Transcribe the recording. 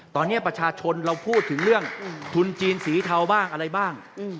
ตอนนี้ประชาชนเราพูดถึงเรื่องทุนจีนสีเทาบ้างอะไรบ้าง